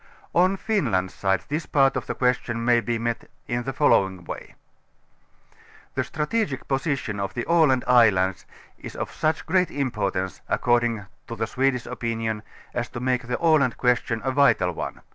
On Finland's side . this part of the question may be met in the following way: The strategic position of the Aland islands is of such great importance, according to the Swedish opinion, as to make the Aland question a vital one.